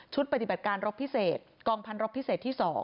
ปฏิบัติการรบพิเศษกองพันรบพิเศษที่๒